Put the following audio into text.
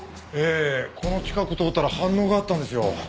ええこの近く通ったら反応があったんですよ。